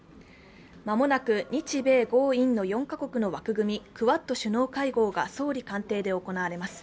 間もなく日米豪印の４カ国の枠組み、クアッド首脳会合が総理官邸で行われます。